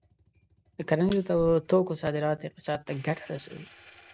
د کرنیزو توکو صادرات اقتصاد ته ګټه رسوي.